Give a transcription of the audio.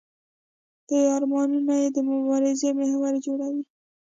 دوی ارمانونه یې د مبارزې محور جوړوي.